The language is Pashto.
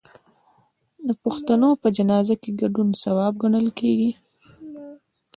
د پښتنو په جنازه کې ګډون ثواب ګڼل کیږي.